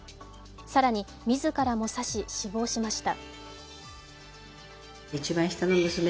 更に自らも刺し、死亡しました。